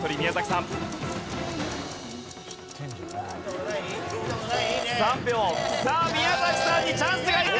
さあ宮崎さんにチャンスがいく！